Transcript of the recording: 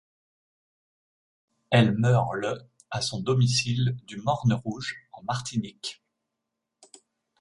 Elle meurt le à son domicile du Morne-Rouge, en Martinique.